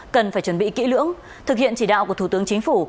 cần phải chuẩn bị kỹ lưỡng thực hiện chỉ đạo của thủ tướng chính phủ